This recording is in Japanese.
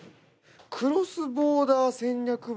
「クロスボーダー戦略部」。